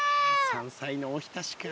山菜のおひたしか。